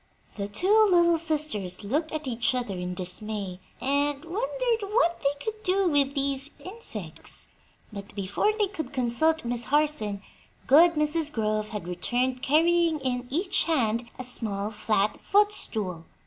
The two little sisters looked at each other in dismay and wondered what they could do with these insects, but before they could consult Miss Harson good Mrs. Grove had returned carrying in each hand a small flat footstool.